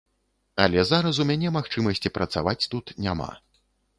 Але зараз у мяне магчымасці працаваць тут няма.